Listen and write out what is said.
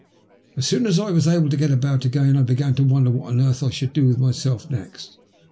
As soon as I was able to get about again I began to wonder what on earth I should do with myself next.